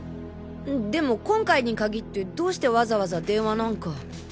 でも今回に限ってどうしてわざわざ電話なんか。